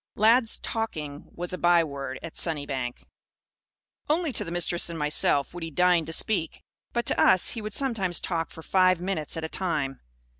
Lad's "talking" was a byword, at Sunnybank. Only to the Mistress and myself would he deign to "speak." But, to us, he would sometimes talk for five minutes at a time.